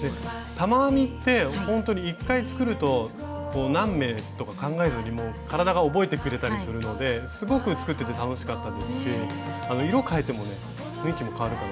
玉編みってほんとに１回作ると何目とか考えずに体が覚えてくれたりするのですごく作ってて楽しかったですし色をかえてもね雰囲気もかわるかな。